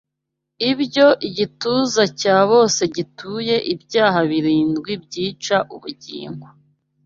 Ibyo igituza cya bose gituye Ibyaha birindwi byica ubugingo